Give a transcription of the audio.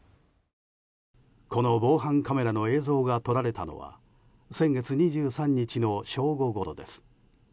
この防犯カメラの映像が撮られたのは先月２３日の正午ごろです。